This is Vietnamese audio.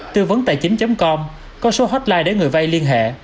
tư vấn tàichính com có số hotline để người vay liên hệ